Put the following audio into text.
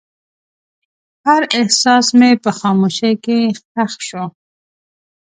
هر احساس مې په خاموشۍ کې ښخ شو.